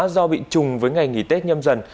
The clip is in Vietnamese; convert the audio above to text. do bị trùng với ngày nghỉ tết nhâm dần